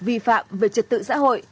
vi phạm về trật tự xã hội